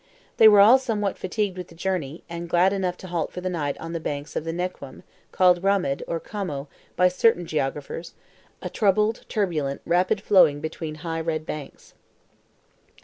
They were all somewhat fatigued with the journey, and glad enough to halt for the night on the banks of the Neuquem, called Ramid, or Comoe by certain geographers, a troubled, turbulent rapid flowing between high red banks.